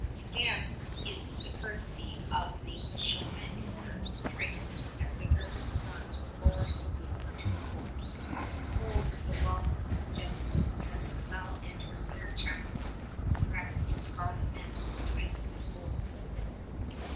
Scant is the courtesy of the Michilimackinac traders as the Griffon's guns roar salute to the fort. Cold is the welcome of the Jesuits as La Salle enters their chapel dressed in scarlet mantle trimmed with gold.